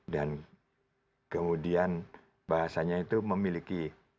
dan kemudian bahasanya itu memiliki